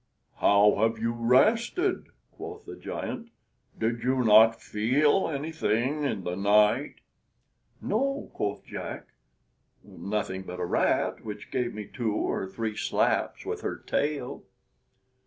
"How have you rested?" quoth the giant; "did you not feel anything in the night?" "No," quoth Jack, "nothing but a rat, which gave me two or three slaps with her tail."